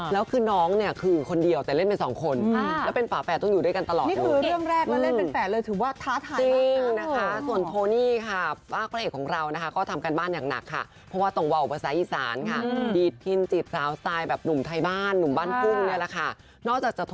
แล้วคือน้องเนี่ยคือคนเดียวโดโม่น